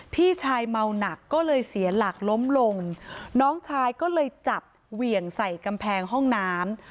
พี่ชายเมาหนักก็เลยเสียหลักล้มลงน้องชายก็เลยจับเหวี่ยงใส่กำแพงห้องน้ำ